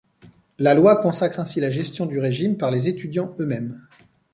La loi consacre ainsi la gestion du régime par les étudiants eux-mêmes.